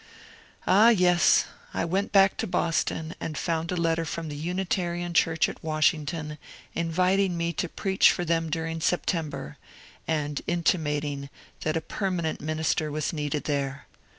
Ah, yes I I went back to Boston and found a letter from the Unitarian church at Washington inviting me to preach for them during September, and intimating that a permanent minister was needed there.